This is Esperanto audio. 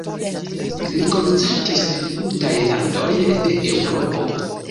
Li koncertis en multaj landoj de Eŭropo.